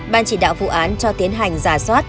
ban chỉ đạo vụ án cho tiến hành giả soát